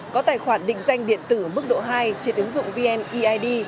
có tài khoản định danh điện tử mức độ hai trên ứng dụng vneid